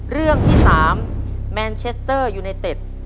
เรื่องที่๓แมนเชสเตอร์ยูไนเต็ด